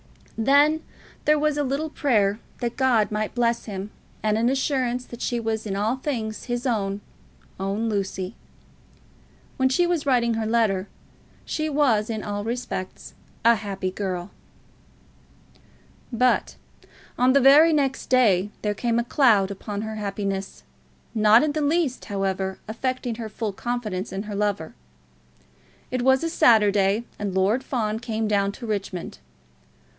Then there was a little prayer that God might bless him, and an assurance that she was in all things his own, own Lucy. When she was writing her letter she was in all respects a happy girl. But on the very next day there came a cloud upon her happiness, not in the least, however, affecting her full confidence in her lover. It was a Saturday, and Lord Fawn came down to Richmond.